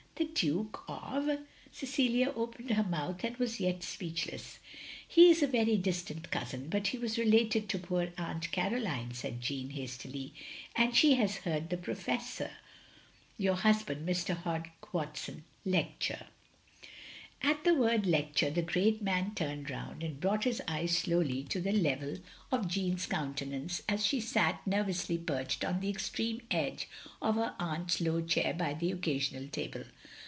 " "The Duke of —!" Cecilia opened her mouth and was yet speechless. "He is a very distant cousin, but he was re lated to poor Aunt Caroline —" said Jeanne, hastily, " and he has heard the Prof — ^your hus — Mr. Hogg Watson lecture." . At the word lecture, the great man turned round, and brought his eyes slowly to the level 21 6 THE LONELY LADY of Jeanne's cotintenance as she sat, nervouslj?' perched on the extreme edge of her atint's low chair by the occasional table.